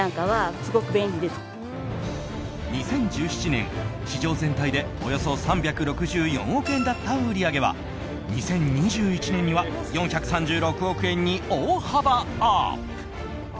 ２０１７年、市場全体でおよそ３６４億円だった売り上げは２０２１年には４３６億円に大幅アップ。